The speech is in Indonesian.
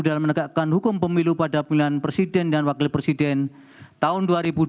dalam menegakkan hukum pemilu pada pemilihan presiden dan wakil presiden tahun dua ribu dua puluh